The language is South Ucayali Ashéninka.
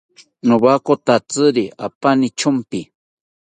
Nowakotakiri apani thampi